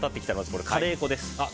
ここでカレー粉です。